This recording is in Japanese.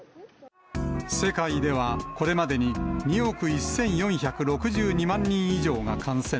世界ではこれまでに、２億１４６２万人以上が感染。